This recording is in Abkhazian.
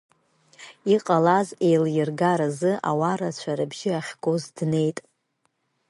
Иҟалаз еилиргаразы ауаа рацәа рыбжьы ахьгоз днеит.